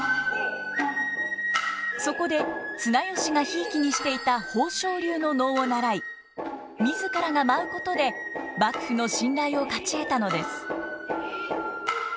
そこで綱吉がひいきにしていた宝生流の能を習い自らが舞うことで幕府の信頼を勝ち得たのです。